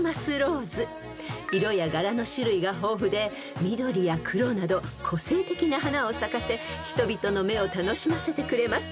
［色や柄の種類が豊富で緑や黒など個性的な花を咲かせ人々の目を楽しませてくれます］